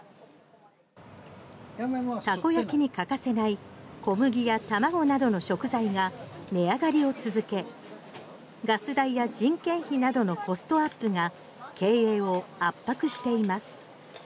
たこ焼きに欠かせない小麦や卵などの食材が値上がりを続けガス代や人件費などのコストアップが経営を圧迫しています。